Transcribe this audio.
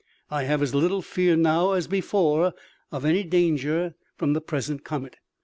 I have as little fear now as before of any danger H4 OMEGA. from the present comet.